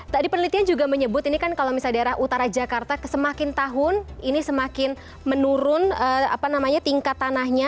tadi penelitian juga menyebut ini kan kalau misalnya daerah utara jakarta semakin tahun ini semakin menurun tingkat tanahnya